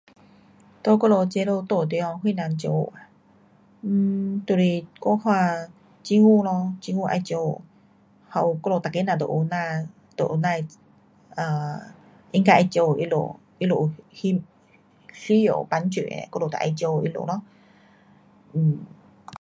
在我们这里住的地方谁人照顾，um 就是我看政府咯，政府要照顾。还有我们每个人都有呐，都有呐 um 应该要照顾他们需，需要帮助的，我们得要照顾他们咯。um